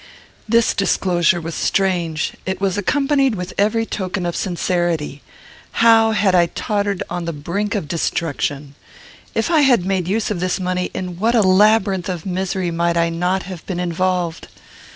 This disclosure was strange. It was accompanied with every token of sincerity. How had I tottered on the brink of destruction! If I had made use of this money, in what a labyrinth of misery might I not have been involved!